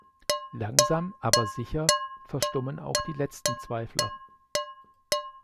Langsam aber sicher verstummen auch die letzten Zweifler.